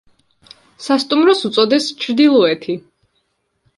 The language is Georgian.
სასტუმროს უწოდეს „ჩრდილოეთი“.